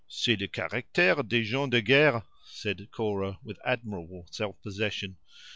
"C'est le caractere des gens de guerre," said Cora, with admirable self possession.